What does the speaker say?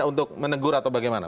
untuk menegur atau bagaimana